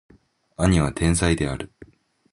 兄は天才である